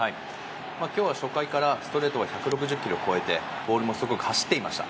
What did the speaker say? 今日は初回からストレートが１６０キロを超えてボールもすごく走っていました。